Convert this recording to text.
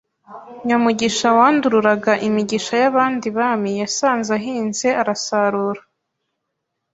Nyamugisha wandururaga imigisha y’abandi bami Yasanze ahinze arasarura